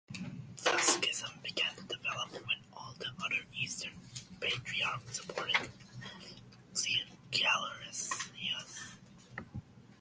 The schism began to develop when all the other Eastern patriarchs supported Caerularius.